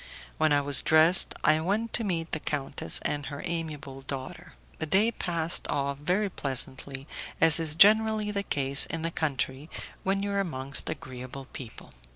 When I was dressed I went to meet the countess and her amiable daughter. The day passed off very pleasantly, as is generally the case in the country, when you are amongst agreeable people.